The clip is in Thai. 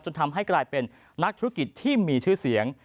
ทำให้กลายเป็นนักธุรกิจที่มีชื่อเสียง